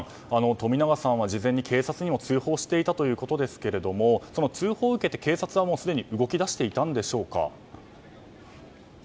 冨永さんは事前に警察にも通報していたということですがその通報を受けて警察は、すでに動き出していたんでしょうか？